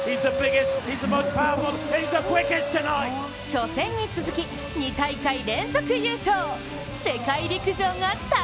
初戦に続き２大会連続優勝。